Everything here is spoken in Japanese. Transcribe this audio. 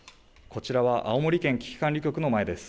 こちらは青森県危機管理局の前です。